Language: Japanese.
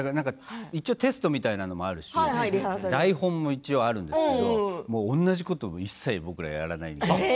テストみたいなものもあるし台本も一応あるんですけど同じことは一切、僕らはやらないんです。